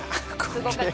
すごかった。